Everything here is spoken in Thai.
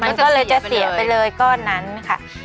มันก็เลยจะเสียไปเลยก้อนนั้นค่ะ